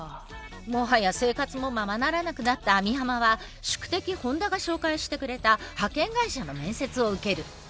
もはや生活もままならなくなった網浜は宿敵本田が紹介してくれた派遣会社の面接を受ける。